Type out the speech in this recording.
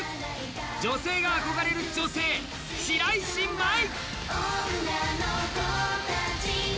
女性が憧れる女性、白石麻衣。